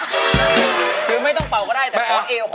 หรือไม่ต้องเป่าก็ได้แต่ขอเอวพอ